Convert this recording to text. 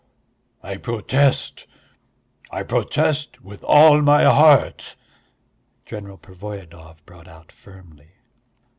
"I protest! I protest with all my heart!" General Pervoyedov brought out firmly.